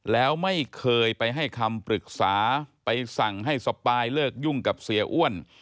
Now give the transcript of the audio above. แล้วไม่เคยไปให้คำปรึกษาไปสั่งให้สปายเลิกยุ่งกับเสียอ้วน